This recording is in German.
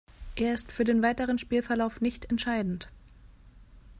Er ist für den weiteren Spielverlauf nicht entscheidend.